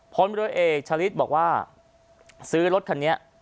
พลเรือเอกชะลิดบอกว่าซื้อรถคันนี้